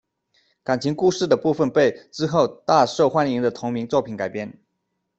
感情故事的部分被之后大受欢迎的同名作品改编。